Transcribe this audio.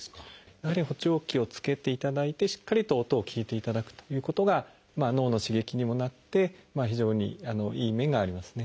やはり補聴器を着けていただいてしっかりと音を聞いていただくということが脳の刺激にもなって非常にいい面がありますね。